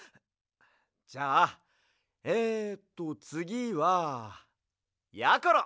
じゃあえっとつぎはやころ！